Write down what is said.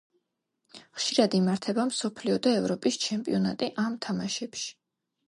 ხშირად იმართება მსოფლიო და ევროპის ჩემპიონატი ამ თამაშებში.